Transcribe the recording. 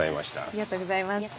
ありがとうございます。